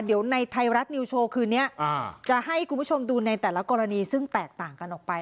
เดี๋ยวในไทยรัฐนิวโชว์คืนนี้จะให้คุณผู้ชมดูในแต่ละกรณีซึ่งแตกต่างกันออกไป